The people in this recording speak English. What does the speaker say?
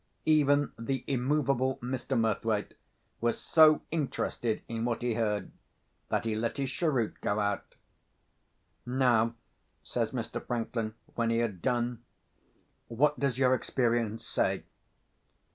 Even the immovable Mr. Murthwaite was so interested in what he heard, that he let his cheroot go out. "Now," says Mr. Franklin, when he had done, "what does your experience say?"